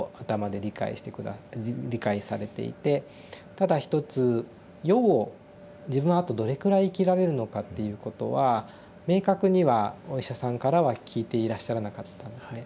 ただ一つ予後自分はあとどれくらい生きられるのかっていうことは明確にはお医者さんからは聞いていらっしゃらなかったんですね。